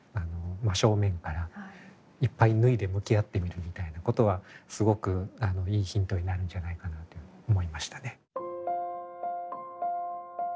正面からいっぱい脱いで向き合ってみるみたいなことはすごくいいヒントになるんじゃないかなと思いましたね。